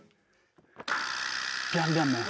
ビャンビャンメン。